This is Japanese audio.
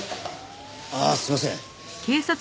ああすいません。